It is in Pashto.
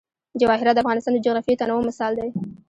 جواهرات د افغانستان د جغرافیوي تنوع مثال دی.